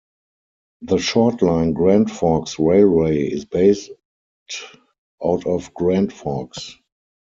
The short-line Grand Forks Railway is based out of Grand Forks.